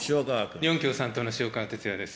日本共産党の塩川鉄也です。